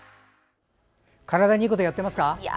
体にいいことやってますか？